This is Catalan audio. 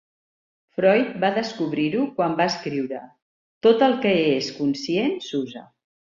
Freud va descobrir-ho quan va escriure: Tot el que és conscient s'usa.